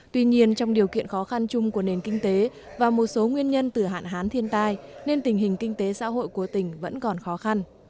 tuy nhiên trong điều kiện khó khăn chung của nền kinh tế và một số nguyên nhân từ hạn hán thiên tai nên tình hình kinh tế xã hội của tỉnh vẫn còn khó khăn